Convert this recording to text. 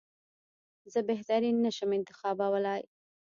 زه بهترین نه شم انتخابولای.